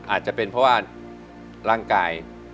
อาจจะเป็นเพราะว่าร่างกาย